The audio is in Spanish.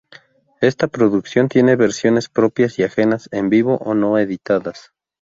Esta producción tiene versiones, propias y ajenas, en vivo o no editadas.